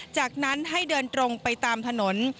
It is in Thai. จากนั้นให้เดินตรงไปตามถนน